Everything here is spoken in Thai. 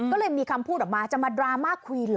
ก็เลยมีคำพูดออกมาจะมาดราม่าคุยเหรอ